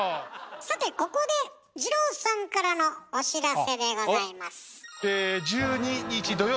さてここで二朗さんからのお知らせでございます。